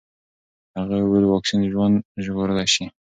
هغې وویل واکسین ژوند ژغورلی شي.